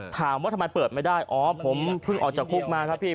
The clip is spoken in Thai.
ถามว่าทำไมเปิดไม่ได้อ๋อผมเพิ่งออกจากคุกมาครับพี่